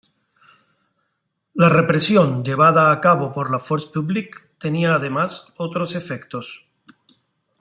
La represión llevada a cabo por la "Force Publique" tenía además otros efectos.